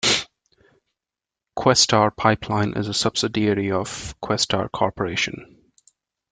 Questar Pipeline is a subsidiary of Questar Corporation.